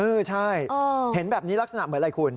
เออใช่เห็นแบบนี้ลักษณะเหมือนอะไรคุณ